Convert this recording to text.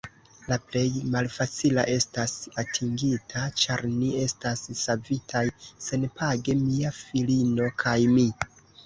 La plej malfacila estas atingita, ĉar ni estas savitaj senpage, mia filino kaj mi.